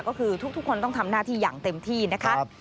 ก็คือทุกคนต้องทำหน้าที่อย่างเต็มที่นะคะ